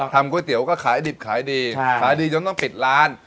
ก๋วยเตี๋ยวก็ขายดิบขายดีขายดีจนต้องปิดร้าน